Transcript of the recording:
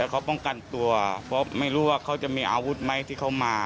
เขาป้องกันตัวเพราะไม่รู้ว่าเขาจะมีอาวุธไหมที่เขามา